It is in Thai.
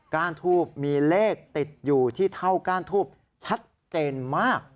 ้านทูบมีเลขติดอยู่ที่เท่าก้านทูบชัดเจนมาก